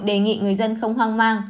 đề nghị người dân không hoang mang